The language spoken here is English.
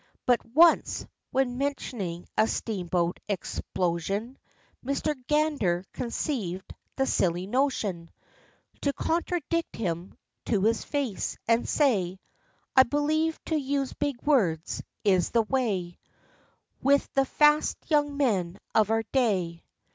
But once, when mentioning a steamboat explosion, Mr. Gander conceived the silly notion OF CHANTICLEER. 59 To contradict him to his face, and say, "I believe to use big words is the way With the fast young men of our day."